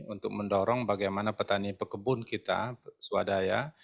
untuk mendorong bagaimana petani pekebun kita swadaya